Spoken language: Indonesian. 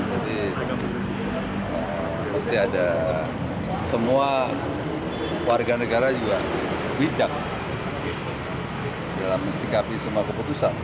jadi pasti ada semua warga negara juga bijak dalam sikapi semua keputusan